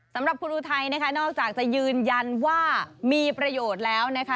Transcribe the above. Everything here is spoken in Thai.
สำหรับคุณอุทัยนะคะนอกจากจะยืนยันว่ามีประโยชน์แล้วนะคะ